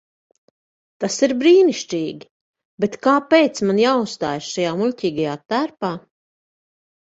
Tas ir brīnišķīgi, bet kāpēc man jāuzstājas šajā muļķīgajā tērpā?